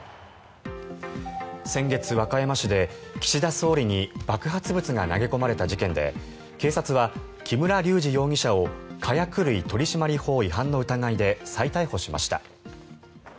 先月、和歌山市で岸田総理に爆発物が投げ込まれた事件で警察は木村隆二容疑者を火薬類取締法違反の疑いで再逮捕しました。